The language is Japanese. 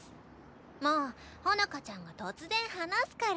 もう穂乃果ちゃんが突然話すから。